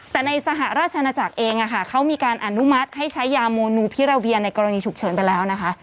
แต่ในสหราชนาจักรเองเขามีการอนุมัติให้ใช้ยาโมนูพิราเวียในกรณีฉุกเฉินไปแล้วนะคะ